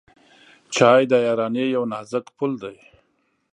چای د یارانۍ یو نازک پُل دی.